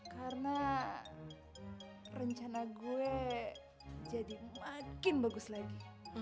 karena rencana gue jadi makin bagus lagi